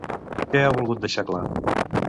Què ha volgut deixar clar?